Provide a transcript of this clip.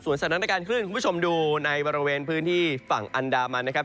สถานการณ์คลื่นคุณผู้ชมดูในบริเวณพื้นที่ฝั่งอันดามันนะครับ